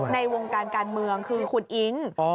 ในวงการการเมืองคือคุณอิ๊ง